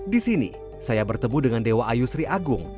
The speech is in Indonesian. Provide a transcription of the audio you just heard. di sini saya bertemu dengan dewa ayu sri agung